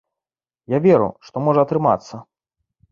Я веру, што можа атрымацца.